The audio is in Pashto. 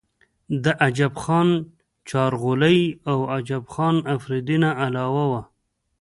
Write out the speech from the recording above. د عجب خان چارغولۍ او عجب خان افريدي نه علاوه